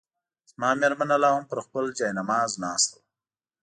زما مېرمنه لا هم پر خپل جاینماز ناسته وه.